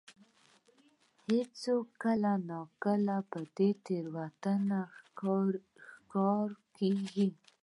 هر څوک کله نا کله د دې تېروتنې ښکار کېږي.